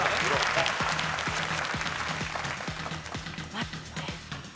待って。